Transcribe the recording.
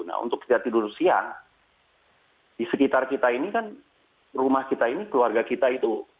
nah untuk setiap tidur siang di sekitar kita ini kan rumah kita ini keluarga kita itu